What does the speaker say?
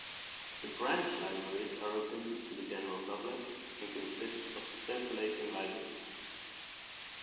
The branch libraries are open to the general public and consist of circulating libraries.